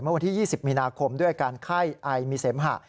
วันที่๒๐มีนาคมด้วยอาการไข้ไอมีเสมหะ